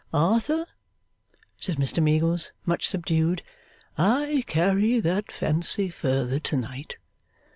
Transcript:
'Arthur,' said Mr Meagles, much subdued, 'I carry that fancy further to night.